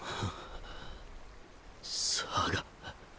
さが